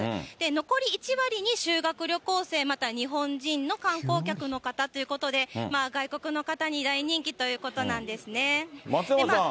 残り１割に修学旅行生、また日本人の観光客の方ということで、外国の方に大人気ということなんですね。